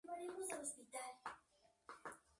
Hizo murales callejeros y en el subte.